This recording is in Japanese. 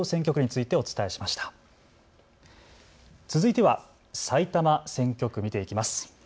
続いては埼玉選挙区、見ていきます。